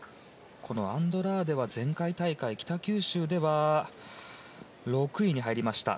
アンドラーデは前回大会、北九州では６位に入りました。